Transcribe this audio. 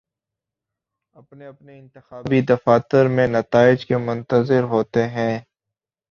اپنے اپنے انتخابی دفاتر میں نتائج کے منتظر ہوتے ہیں